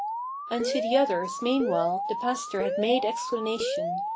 Unto the others, meanwhile, the pastor had made explanation.